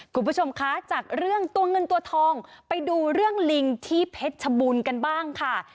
คุณผู้ชมคะจากเรื่องตัวเงินตัวทองไปดูเรื่องลิงที่เพชรชบูรณ์กันบ้างค่ะ